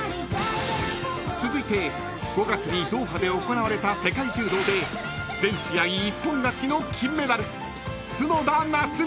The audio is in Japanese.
［続いて５月にドーハで行われた世界柔道で全試合一本勝ちの金メダル］